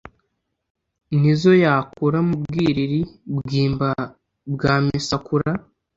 N'izo yakura mu Bwiriri, Bwimba bwa Misakura.